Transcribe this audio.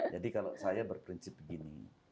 jadi kalau saya berprinsip begini